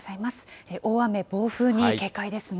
大雨、暴風に警戒ですね。